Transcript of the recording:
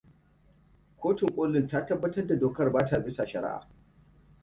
Kotun ƙolin ta tabbatar da dokar ba ta bisa shari'a.